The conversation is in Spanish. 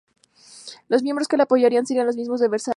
Los miembros que le apoyarían serían los mismos que Versailles.